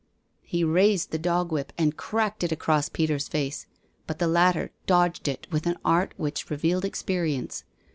He raised the dog whip and cracked it across Peter's face, but the latter dodged it with an art which revealed experience.